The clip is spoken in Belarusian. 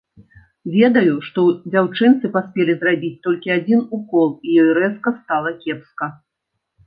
Ведаю, што дзяўчынцы паспелі зрабіць толькі адзін укол, і ёй рэзка стала кепска.